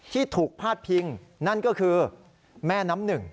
ที่ถูกพาดพิงนั่นก็คือแม่น้ำหนึ่ง